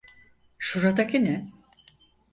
Şuradaki ne?